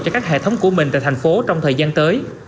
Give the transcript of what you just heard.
cho các hệ thống của mình tại thành phố trong thời gian tới